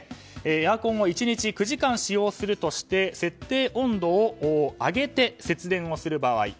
エアコンは１日９時間使用するとして設定温度を上げて節電をする場合。